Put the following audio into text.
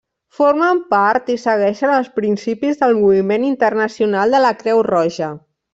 Formen part i segueixen els principis del moviment internacional de la Creu Roja.